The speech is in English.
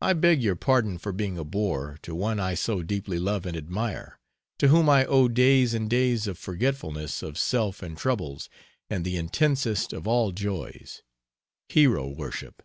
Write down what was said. I beg your pardon for being a bore to one I so deeply love and admire, to whom I owe days and days of forgetfulness of self and troubles and the intensest of all joys: Hero worship!